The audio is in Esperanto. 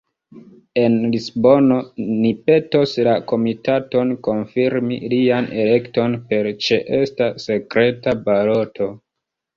En Lisbono ni petos la Komitaton konfirmi lian elekton per ĉeesta sekreta baloto.